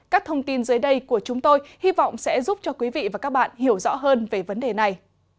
các thông tin dưới đây của chúng tôi hy vọng sẽ giúp cho quý vị và các bạn hiểu rõ hơn về vấn đề này